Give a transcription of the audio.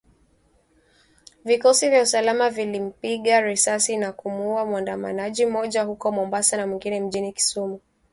Vikosi vya usalama vilimpiga risasi na kumuuwa muandamanaji mmoja huko mombasa na mwingine mjini Kisumu.